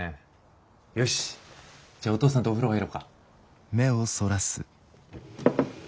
よしじゃあお父さんとお風呂入ろうか。